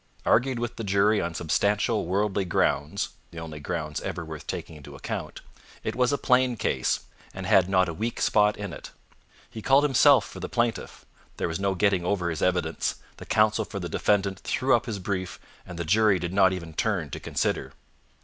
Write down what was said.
Argued with the jury on substantial worldly grounds the only grounds ever worth taking into account it was a plain case, and had not a weak spot in it. He called himself for the plaintiff, there was no getting over his evidence, the counsel for the defendant threw up his brief, and the jury did not even turn to consider.